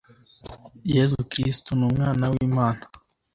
yezu kristu ni umwana w'imana